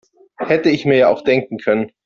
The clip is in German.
Hätte ich mir ja auch denken können.